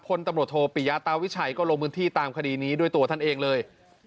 พลตำรวจโทปิยาตาวิชัยก็ลงพื้นที่ตามคดีนี้ด้วยตัวท่านเองเลย